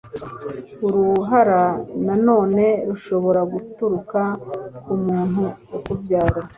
Uruhara nanone rushobora guturuka ku muntu ukubyara